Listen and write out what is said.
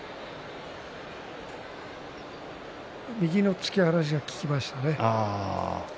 右の突き放しが効きましたね。